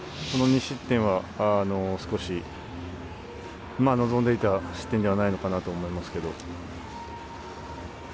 この２失点は少し望んでいた失点ではないのかなと思いますけども。